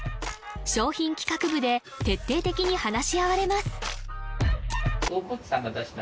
商品企画部で徹底的に話し合われます